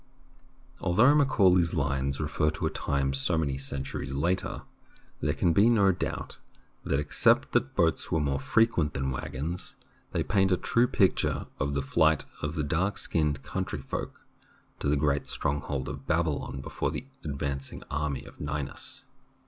Although Macaulay's lines refer to a time so many centuries later, there can be no doubt that, except that boats were more frequent than wag gons, they paint a true picture of the flight of the dark skinned country folk to the great strong hold of Babylon before the advancing army of Ninus.